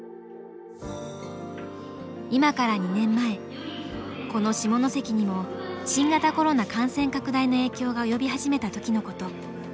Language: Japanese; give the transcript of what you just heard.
今から２年前この下関にも新型コロナ感染拡大の影響が及び始めた時のこと。